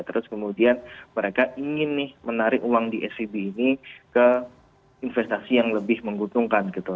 terus kemudian mereka ingin nih menarik uang di svb ini ke investasi yang lebih menguntungkan gitu